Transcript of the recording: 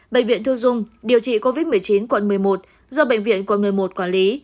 bệnh viện thu dung điều trị covid một mươi chín quận một mươi một do bệnh viện quận một mươi một quản lý